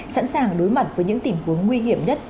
sẵn sàng đối mặt với những tình huống nguy hiểm nhất